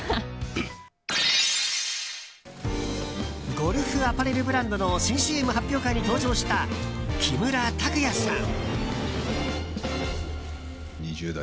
ゴルフアパレルブランドの新ＣＭ発表会に登場した木村拓哉さん。